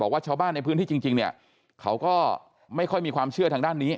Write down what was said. ว่าชาวบ้านในพื้นที่จริงเนี่ยเขาก็ไม่ค่อยมีความเชื่อทางด้านนี้